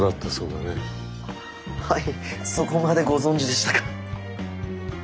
はいそこまでご存じでしたか。